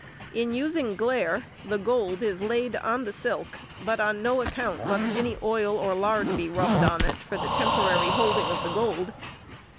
In using glaire the gold is laid on the silk, but on no account must any oil or lard be rubbed on it for the temporary holding of the gold.